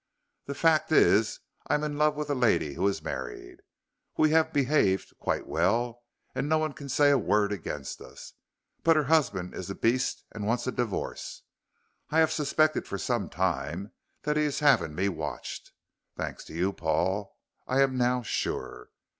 The fact is I'm in love with a lady who is married. We have behaved quite well, and no one can say a word against us. But her husband is a beast and wants a divorce. I have suspected for some time that he is having me watched. Thanks to you, Paul, I am now sure.